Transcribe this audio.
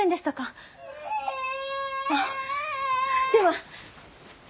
・ああでは。